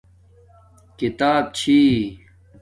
کھیتاپ چھی